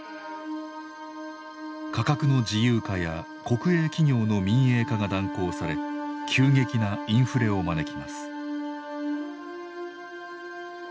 価格の自由化や国営企業の民営化が断行され急激なインフレを招きます。